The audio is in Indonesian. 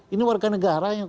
ini warga negaranya kok